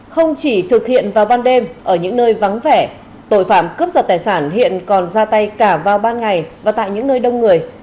không chỉ thực hiện vào ban đêm ở những nơi vắng vẻ tội phạm cướp giật tài sản hiện còn ra tay cả vào ban ngày và tại những nơi đông người